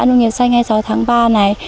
nông nghiệp xanh hai mươi sáu tháng ba này